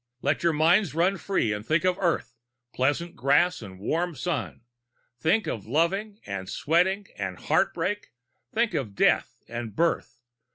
Let your minds run free and think of Earth, pleasant grass and warm sun! Think of loving and sweat and heartbreak! Think of death and birth!